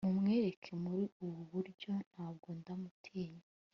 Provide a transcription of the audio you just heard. Mumwereke muri ubu buryo Ntabwo ndamutinya